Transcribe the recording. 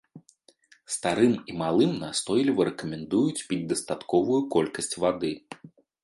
Старым і малым настойліва рэкамендуюць піць дастатковую колькасць вады.